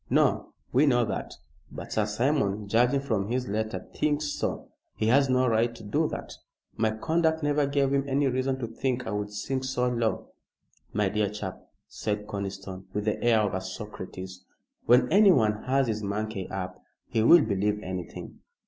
"No. We know that. But Sir Simon, judging from his letter, thinks so." "He has no right to do that. My conduct never gave him any reason to think I would sink so low." "My dear chap," said Conniston, with the air of a Socrates, "when anyone has his monkey up, he will believe anything."